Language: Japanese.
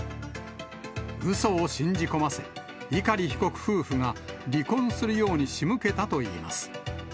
うそを信じ込ませ、碇被告夫婦が、離婚するようにしむけたといいます。